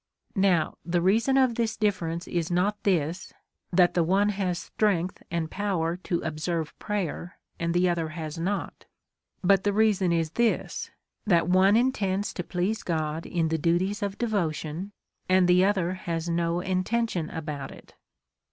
Now, the reason of this difference is not this, that the one has strength and power to observe prayer, and the other has not ; but the reason is this, that one intends to please God in the duties of devotion, and the other has no intention about it.